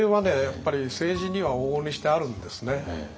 やっぱり政治には往々にしてあるんですね。